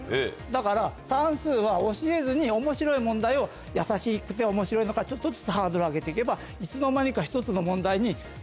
だから算数は教えずに面白い問題をやさしくて面白いのからちょっとずつハードルを上げて行けばいつの間にか。